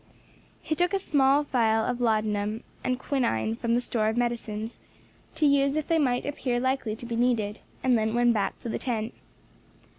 He took a small phial of laudanum and quinine from the store of medicines, to use if they might appear likely to be needed, and then went back to the tent.